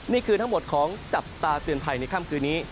นี่คือทั้งหมดของจับตาเตือนภัยในค่ำคืนนี้